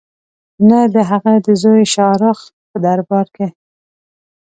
نه د هغه د زوی شاه رخ په دربار کې.